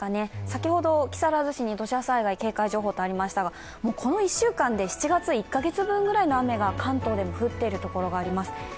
先ほど、木更津市に土砂災害警戒情報とありましたが、この１週間で７月１カ月分くらいの雨が関東でも降っている所があります。